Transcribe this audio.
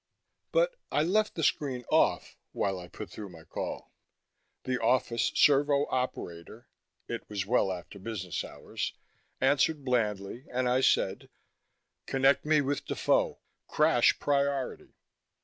But I left the screen off while I put through my call. The office servo operator (it was well after business hours) answered blandly, and I said: "Connect me with Defoe, crash priority."